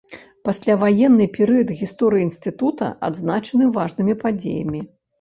Пасляваенны перыяд гісторыі інстытута адзначаны важнымі падзеямі.